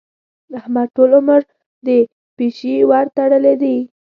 احمد ټول عمر د پيشي ورتړلې دي.